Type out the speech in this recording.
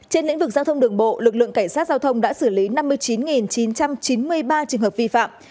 trên lĩnh vực giao thông đường bộ lực lượng cảnh sát giao thông đã xử lý năm mươi chín chín trăm chín mươi ba trường hợp vi phạm